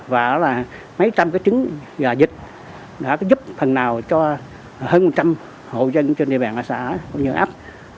và đó là mấy trăm cái trứng gà dịch đã có giúp phần nào cho hơn một trăm linh hộ dân trên địa bàn xã cũng như áp